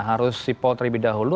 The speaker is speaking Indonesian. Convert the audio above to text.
harus sipol terlebih dahulu